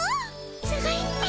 すごいっピ。